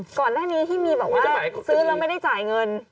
ก่อนหน้านี้ที่มีแบบว่าซื้อแล้วไม่ได้จ่ายเงิน